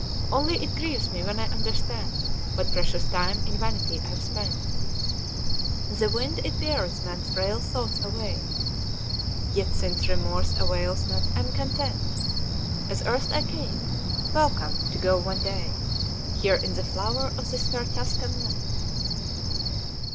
Only it grieves me when I understand What precious time in vanity I've spent The wind it beareth man's frail thoughts away. Yet, since remorse avails not, I'm content, As erst I came, WELCOME to go one day, Here in the Flower of this fair Tuscan land.